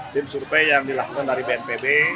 tim survei yang dilakukan dari bnpb